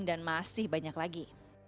dan masih banyak lagi